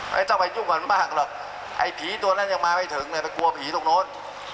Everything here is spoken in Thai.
ไม่ต้องไปยุ่งกันมากหรอกไอ้ผีตัวนั้นยังมาไม่ถึงเลยไปกลัวผีตรงโน้น